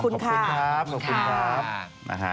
ขอบคุณครับขอบคุณครับนะฮะ